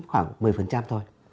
khoảng một mươi thôi